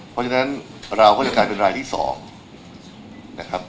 เพราะฉะนั้นเราก็จะกลายเป็นรายที่๒นะครับ